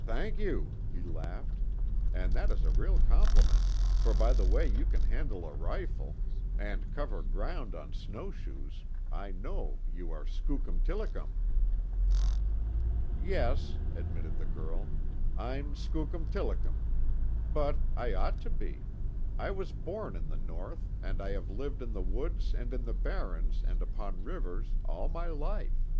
"Thank you," he laughed, "And that is a real compliment, for by the way you can handle a rifle, and cover ground on snowshoes, I know you are skookum tillicum." "Yes," admitted the girl, "I'm skookum tillicum. But, I ought to be. I was born in the North and I have lived in the woods and in the barrens, and upon rivers, all my life."